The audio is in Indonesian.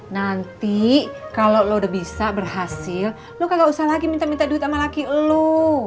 nanti kalau lo udah bisa berhasil lo kalau gak usah lagi minta minta duit sama laki lu